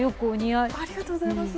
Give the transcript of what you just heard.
ありがとうございます。